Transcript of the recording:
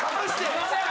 ・すいません！